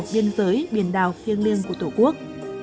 biên giới biển đảo thiêng liêng của tổ quốc